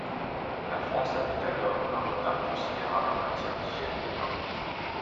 La France avait, alors, un retard considérable en matière d’hygiène des mains.